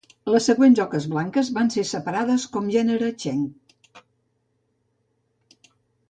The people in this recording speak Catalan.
Les següents oques blanques van ser separades com gènere "Chen".